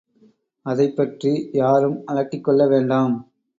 அதைப்பற்றி யாரும் அலட்டிக் கொள்ளவேண்டாம்.